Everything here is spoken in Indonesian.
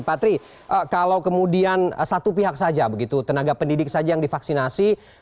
pak tri kalau kemudian satu pihak saja begitu tenaga pendidik saja yang divaksinasi